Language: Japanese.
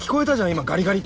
今「ガリガリ」って。